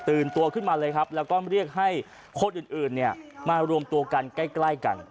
ตัวขึ้นมาเลยครับแล้วก็เรียกให้คนอื่นเนี่ยมารวมตัวกันใกล้กัน